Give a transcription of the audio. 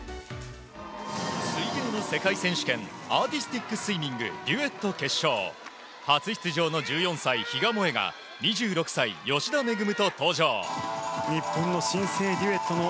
水泳の世界選手権アーティスティックスイミングデュエット決勝初出場の１４歳、比嘉もえが２６歳、吉田萌と登場。